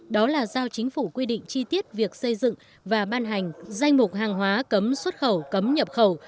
đó là giao chính phủ quy định chi tiết việc xây dựng và ban hành danh mục hàng hóa cấm xuất khẩu cấm nhập khẩu